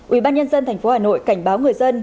ubnd tp hà nội cảnh báo người dân